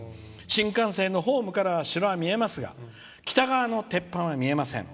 新幹線のホームからは城が見えますが北側の鉄板は見えません。